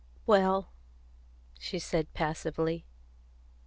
"Well," she said passively.